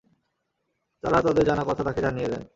তারা তাদের জানা কথা তাকে জানিয়ে দেন।